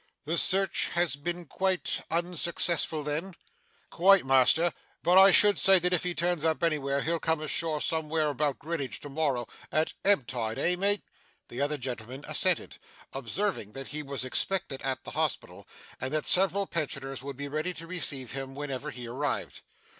'The search has been quite unsuccessful then?' 'Quite, master. But I should say that if he turns up anywhere, he'll come ashore somewhere about Grinidge to morrow, at ebb tide, eh, mate?' The other gentleman assented, observing that he was expected at the Hospital, and that several pensioners would be ready to receive him whenever he arrived.